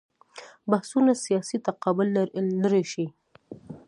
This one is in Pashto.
بحثونه سیاسي تقابل لرې شي.